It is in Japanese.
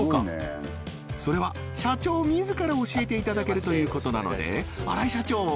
それは社長自ら教えていただけるということなので荒井社長